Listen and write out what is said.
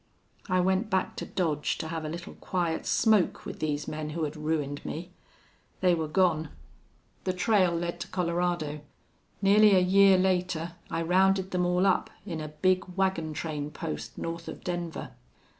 "I went back to Dodge to have a little quiet smoke with these men who had ruined me. They were gone. The trail led to Colorado. Nearly a year later I rounded them all up in a big wagon train post north of Denver.